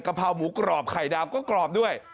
เพราหมูกรอบไข่ดาวก็กรอบด้วย